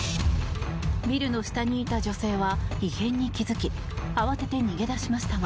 ビルの下にいた女性は異変に気付き慌てて逃げ出しましたが